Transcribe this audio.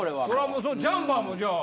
もうジャンパーもじゃあ。